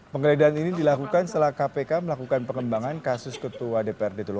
penggeledahan ini dilakukan setelah kpk melakukan pengembangan kasus ketua dprd tulung